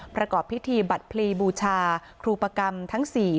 ประกอบพิธีบัตรพลีบูชาครูปกรรมทั้ง๔